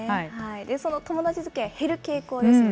その友達づきあい、減る傾向ですね。